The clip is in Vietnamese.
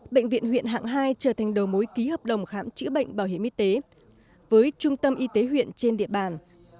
bệnh viện huyện hạng hai trở thành đầu mối ký hợp đồng khám chữa bệnh bảo hiểm y tế với trung tâm y tế huyện trên địa bàn